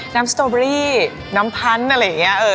สตอเบอรี่น้ำพันธุ์อะไรอย่างนี้